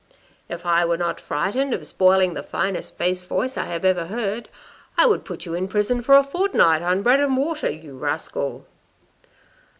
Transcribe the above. "' If I were not frightened of spoiling the finest bass voice I have ever heard, I would put you in prison for a fortnight on bread and water, you rascal.'